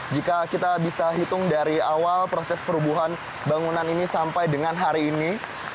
jika kita bisa hitung dari awal proses perubuhan bangunan ini sampai dengan hari ini